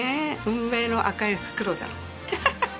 運命の赤い袋だ。